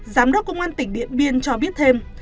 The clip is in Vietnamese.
giám đốc công an tỉnh điện biên cho biết thêm